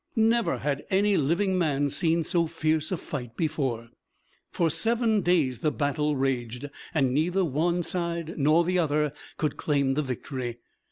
Never had any living man seen so fierce a fight before. For seven days the battle raged, and neither the one side nor the other could claim the victory.